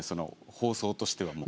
放送としてはもう。